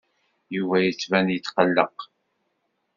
Yuba yettban yetqelleq.